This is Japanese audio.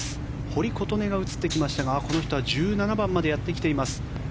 堀琴音が映ってきましたがこの人は１７番までやってきています。